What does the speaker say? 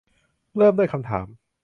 เริ่มด้วยคำถาม